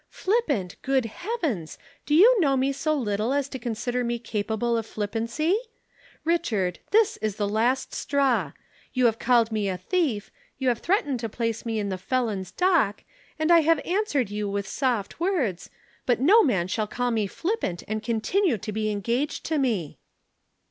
"'Flippant, good heavens! Do you know me so little as to consider me capable of flippancy? Richard, this is the last straw. You have called me a thief, you have threatened to place me in the felon's dock, and I have answered you with soft words, but no man shall call me flippant and continue to be engaged to me!'